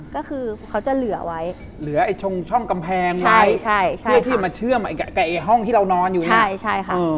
ก็คือเขาจะเหลือไว้เหลือช่องกำแพงไว้เพื่อที่จะมาเชื่อมกับห้องที่เรานอนอยู่